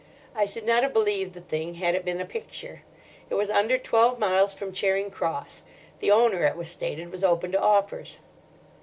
I should not have believed the thing had it been a picture. It was under twelve miles from Charing Cross. The owner, it was stated, was open to offers."